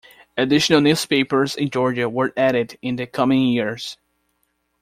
Additional newspapers in Georgia were added in the coming years.